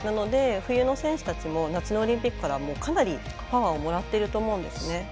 冬の選手たちも夏のオリンピックからかなりパワーをもらっていると思うんですね。